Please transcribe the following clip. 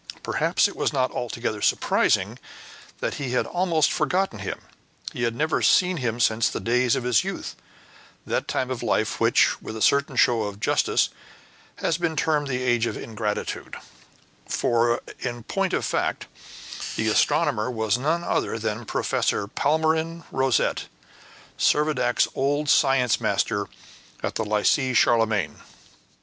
Perhaps it was not altogether surprising that he had almost forgotten him; he had never seen him since the days of his youth, that time of life which, with a certain show of justice, has been termed the age of ingratitude; for, in point of fact, the astronomer was none other than Professor Palmyrin Rosette, Servadac's old science master at the Lycee Charlemagne.